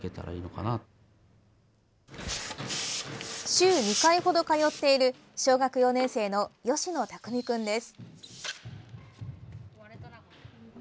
週２回ほど通っている小学４年生の吉野巧君です。